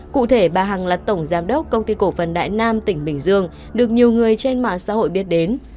cụ thể bà hằng là tổng giám đốc công ty cổ phần đại nam tỉnh bình dương được nhiều người trên mạng xã hội biết đến